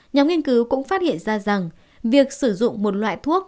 nhóm nghiên cứu cũng phát hiện ra rằng việc sử dụng một loại thuốc